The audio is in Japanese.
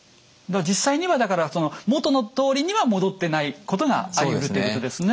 実際にはだから元のとおりには戻ってないことがありうるということですね。